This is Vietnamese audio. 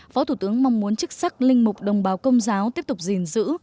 phó thủ tướng mong muốn chức sắc linh mục đồng bào công giáo tiếp tục gìn giữ